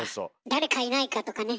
誰かいないかとかね。